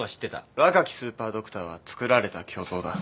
若きスーパードクターは作られた虚像だ。